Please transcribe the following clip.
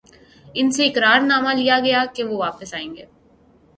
ان سے اقرار نامہ لیا گیا کہ وہ واپس آئیں گے۔